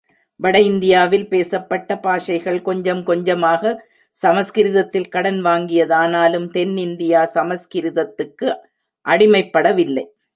வட இந்தியாவில் பேசப்பட்ட பாஷைகள் கொஞ்சம் கொஞ்சமாக சமஸ்கிருதத்தில் கடன் வாங்கியதானாலும், தென் இந்தியா சமஸ்கிருதத்துக்கு அடிமைப்படவில்லை.